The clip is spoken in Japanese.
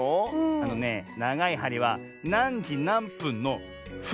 あのねながいはりはなんじなんぷんの「ふん」のぶぶんだね。